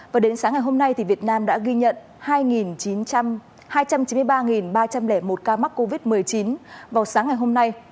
và đến sáng ngày hôm nay việt nam đã ghi nhận hai chín mươi ba ba trăm linh một ca mắc covid một mươi chín vào sáng ngày hôm nay